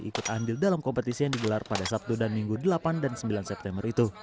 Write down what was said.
ikut andil dalam kompetisi yang digelar pada sabtu dan minggu delapan dan sembilan september itu